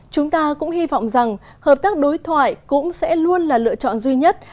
chúng ta cũng hy vọng rằng hợp tác đối thoại cũng sẽ luôn là lựa chọn duy nhất